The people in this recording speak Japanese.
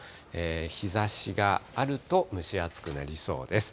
日ざしがあると蒸し暑くなりそうです。